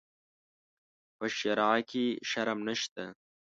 په شرعه کې شرم نشته.